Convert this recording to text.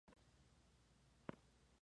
En su hábito se asemeja a algunas bromelias.